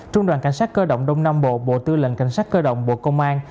trung đoàn cảnh sát cơ động đông nam bộ bộ tư lệnh cảnh sát cơ động bộ công an